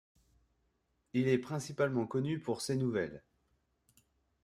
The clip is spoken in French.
Il est principalement connu pour ses nouvelles.